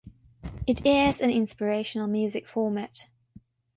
It airs an inspirational music format.